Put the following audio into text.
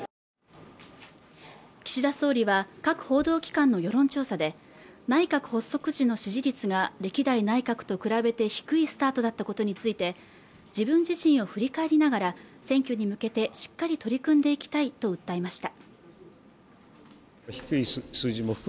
岸田総理は各報道機関の世論調査で内閣発足時の支持率が歴代内閣と比べて低いスタートだったことについて自分自身を振り返りながら選挙に向けてしっかり取り組んでいきたいと訴えました